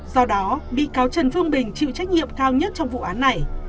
do đó bị cáo trần phương bình chịu trách nhiệm cao nhất trong vụ án này